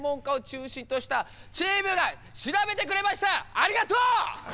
ありがとう！